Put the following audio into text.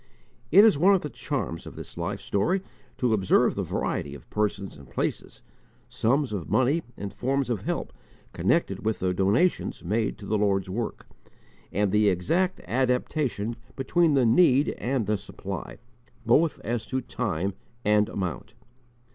It is one of the charms of this life story to observe the variety of persons and places, sums of money and forms of help, connected with the donations made to the Lord's work; and the exact adaptation between the need and the supply, both as to time and amount.